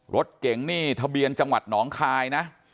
รถเก่งนี่ทะเบียนจังหวัดหนองคายนะ